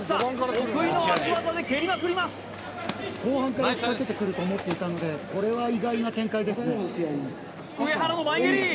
得意の足技で蹴りまくります後半から仕掛けてくると思っていたのでこれは意外な展開ですね上原の前蹴り！